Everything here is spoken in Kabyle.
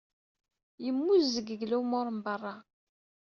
Yemmuzzeg deg lumuṛ n berra.